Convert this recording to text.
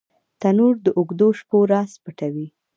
تنور د اوږدو شپو راز پټوي